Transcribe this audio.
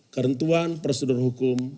kerentuan prosedur hukum